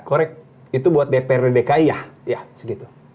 korek itu buat dprd dki ya segitu